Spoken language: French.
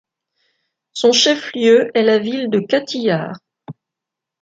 Son chef-lieu est la ville de Katihar.